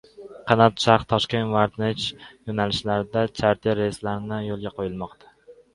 “Qanot Sharq” Toshkent-Voronej yo‘nalishida charter reyslarni yo‘lga qo‘ymoqda